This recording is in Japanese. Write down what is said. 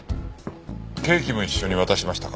ケーキも一緒に渡しましたか？